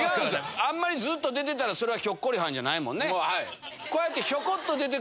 あんまりずっと出てたら、それはひょっこりはんじゃないもんね。